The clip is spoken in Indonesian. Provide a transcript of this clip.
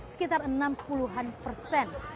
sekitar enam puluh an persen